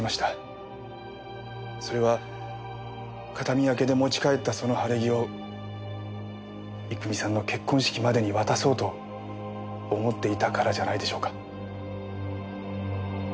それは形見分けで持ち帰ったその晴れ着を郁美さんの結婚式までに渡そうと思っていたからじゃないでしょうか。